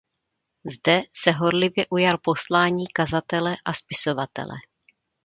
Zde se horlivě ujal poslání kazatele a spisovatele.